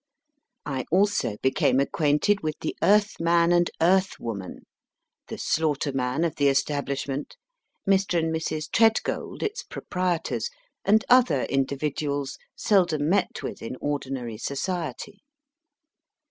I also became acquainted with the Earthman and Earthwoman, the slaughterman of the establishment, Mr. and Mrs. Tredgold (its proprietors), and other individuals seldom met with in ordinary society.